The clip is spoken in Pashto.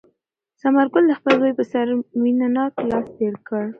ثمر ګل د خپل زوی په سر مینه ناک لاس تېر کړ.